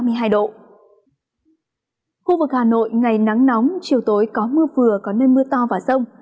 khu vực hà nội ngày nắng nóng chiều tối có mưa vừa có nơi mưa to và rông